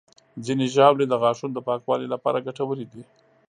ځینې ژاولې د غاښونو د پاکوالي لپاره ګټورې دي.